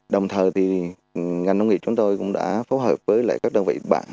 đồng thời thì ngành nông nghiệp chúng tôi cũng đã phối hợp với các đơn vị bạn